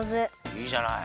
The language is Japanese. いいじゃない。